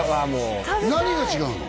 何が違うの？